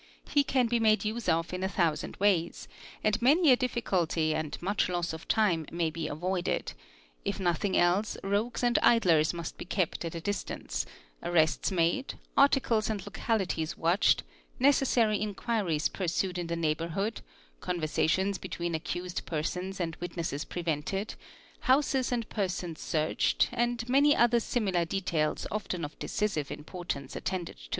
He can be made use of in a thousand ways, and many a difficulty and much loss of time nay be avoided: if nothing else, rogues and idlers must be kept at a Stance, arrests made, articles and localities watched, necessary in juin ies pursued in the neighbourhood, conversations between accused sons and witnesses prevented, houses and persons searched, and many ler similar details often of decisive importance attended to.